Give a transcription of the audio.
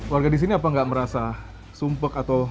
warga di sini apa nggak merasa sumpek atau